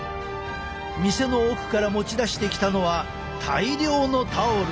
店の奥から持ち出してきたのは大量のタオル。